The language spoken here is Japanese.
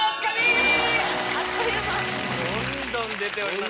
どんどん出ております